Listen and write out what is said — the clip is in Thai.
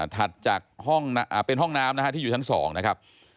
ถัดจากห้องเป็นห้องน้ำนะฮะที่อยู่ชั้น๒นะครับ